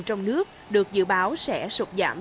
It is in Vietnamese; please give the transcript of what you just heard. trong nước được dự báo sẽ sụt giảm